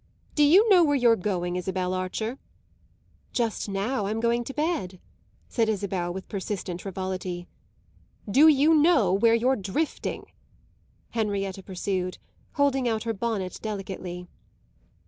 "Do you know where you're going, Isabel Archer?" "Just now I'm going to bed," said Isabel with persistent frivolity. "Do you know where you're drifting?" Henrietta pursued, holding out her bonnet delicately.